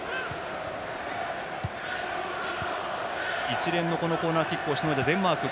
一連のコーナーキックをしのいだデンマーク。